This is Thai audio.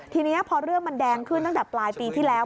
ทีนี้พอเรื่องมันแดงขึ้นตั้งแต่ปลายปีที่แล้ว